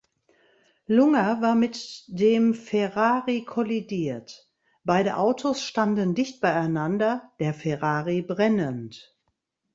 Lunger war mit dem Ferrari kollidiert; beide Autos standen dicht beieinander, der Ferrari brennend.